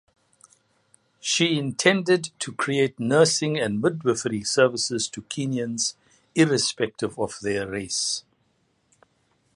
She intended to create nursing and midwifery services to Kenyans irrespective of their race.